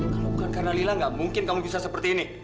kalau bukan karena lila gak mungkin kamu bisa seperti ini